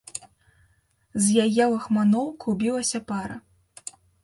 З яе лахманоў клубілася пара.